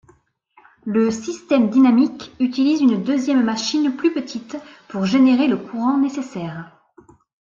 Le système dynamique utilise une deuxième machine plus petite pour générer le courant nécessaire.